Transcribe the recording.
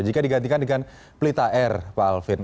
jika digantikan dengan pelita air pak alvin